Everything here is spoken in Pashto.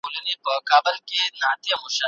زدهکوونکي د ښوونځي له لارې اخلاق زده کوي.